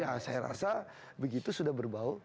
ya saya rasa begitu sudah berbau